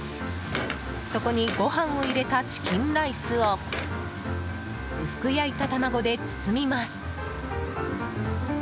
そこに、ご飯を入れたチキンライスを薄く焼いた卵で包みます。